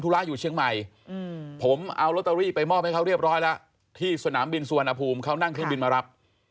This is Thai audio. เรียบร้อยแล้วที่สนามบินสวนอภูมิ์เขานั่งเครื่องบินมารับ